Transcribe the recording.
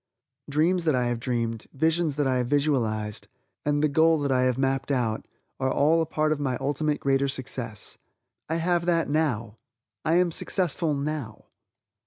Dreams that I have dreamed, visions that I have visualized, and the goal that I have mapped out, are all a part of my ultimate greater success. I have that now! I am successful now!